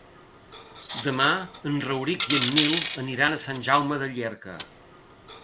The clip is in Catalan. Demà en Rauric i en Nil aniran a Sant Jaume de Llierca.